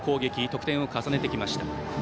得点を重ねてきました。